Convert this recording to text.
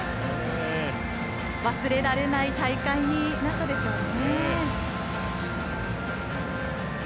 忘れられない大会になったでしょうね。